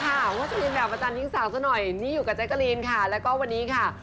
ว่าจะเรียนแบบอาจารยิ่งสาวซะหน่อยนี่อยู่กับแจ๊กกะลีนค่ะแล้วก็วันนี้ค่ะ